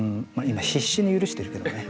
今必死に許してるけどね。